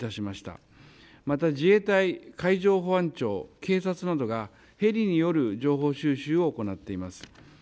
また自衛隊、海上保安庁、警察などがヘリによる情報収集を行っています。